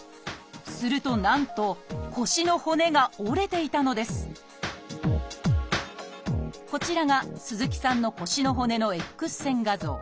するとなんと腰の骨が折れていたのですこちらが鈴木さんの腰の骨のＸ線画像。